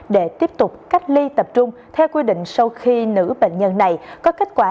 để tiếp tục cách ly tập trung theo quy định sau khi nữ bệnh nhân này có kết quả